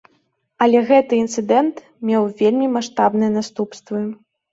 Але гэты інцыдэнт меў вельмі маштабныя наступствы.